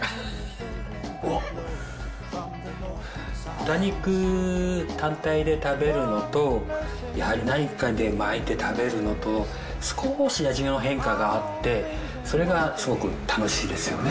豚肉単体で食べるのとやはり何かで巻いて食べるのと少し味の変化があってそれがすごく楽しいですよね。